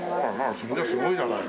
それじゃすごいじゃないの。